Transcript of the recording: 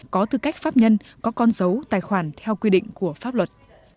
có tư cách pháp nhân có con dấu tài khoản theo quy định của pháp luật